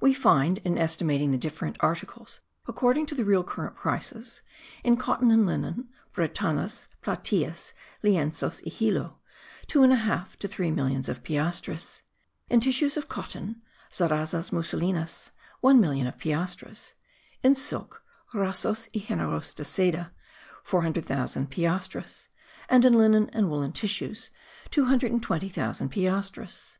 We find, in estimating the different articles, according to the real current prices: in cotton and linen (bretanas, platillas, lienzos y hilo), two and a half to three millions of piastres; in tissues of cotton (zarazas musulinas), one million of piastres; in silk (rasos y generos de seda), 400,000 piastres; and in linen and woollen tissues, 220,000 piastres.